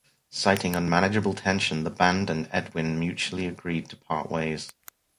Citing unmanageable tension, the band and Edwin mutually agreed to part ways.